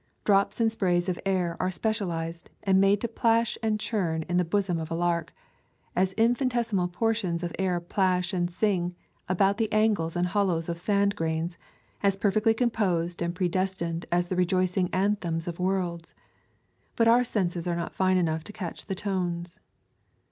Drops and sprays of air are specialized, and made to plash and churn in the bosom of a lark, as infinitesimal portions of air plash and sing about the angles and hollows of sand grains, as perfectly composed and pre destined as the rejoicing anthems of worlds; but our senses are not fine enough to catch the tones.